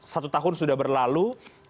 satu tahun sudah berlalu